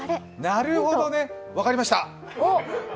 なるほどね、分かりました。